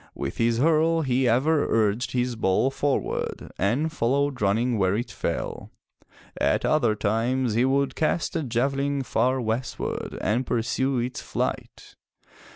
With his hurle he ever urged his ball forward and followed running where it fell. At other times he would cast a javelin far westward and pursue its flight.